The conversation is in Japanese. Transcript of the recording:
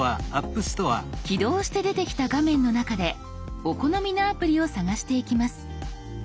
起動して出てきた画面の中でお好みのアプリを探していきます。